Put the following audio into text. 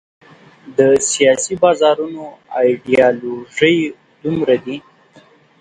د سیاسي بازارونو ایډیالوژۍ دومره دي.